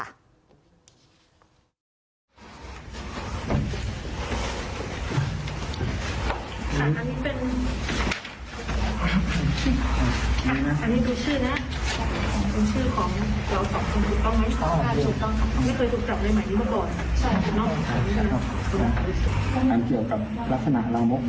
และประชาชนทั่วไปเข้าถึงได้